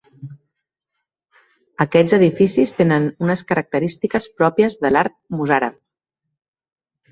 Aquests edificis tenen unes característiques pròpies de l'art mossàrab.